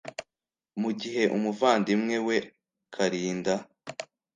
mu gihe umuvandimwe we kalinda